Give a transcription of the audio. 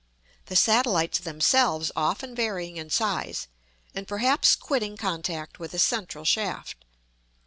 the satellites themselves often varying in size, and perhaps quitting contact with the central shaft.